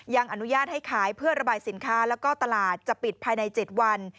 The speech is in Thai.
ยังอนุญาตให้ขายเพื่อระบายสินค้าแล้วก็ตลาดจะปิดภายใน๗วัน